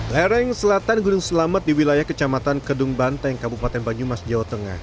lereng selatan gunung selamat di wilayah kecamatan kedung banteng kabupaten banyumas jawa tengah